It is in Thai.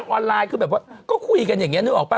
ออนไลน์คือแบบว่าก็คุยกันอย่างนี้นึกออกป่